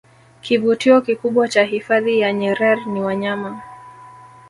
kivutio kikubwa cha hifadhi ya nyerer ni wanyama